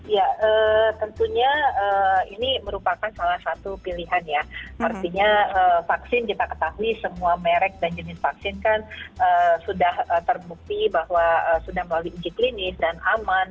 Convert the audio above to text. ya tentunya ini merupakan salah satu pilihan ya artinya vaksin kita ketahui semua merek dan jenis vaksin kan sudah terbukti bahwa sudah melalui uji klinis dan aman